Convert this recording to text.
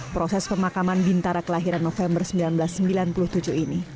proses pemakaman bintara kelahiran november seribu sembilan ratus sembilan puluh tujuh ini